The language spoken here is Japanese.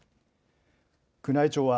宮内庁は、